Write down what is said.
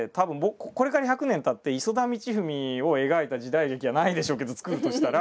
これから１００年たって磯田道史を描いた時代劇はないでしょうけど作るとしたら。